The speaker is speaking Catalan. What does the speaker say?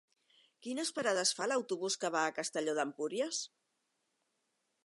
Quines parades fa l'autobús que va a Castelló d'Empúries?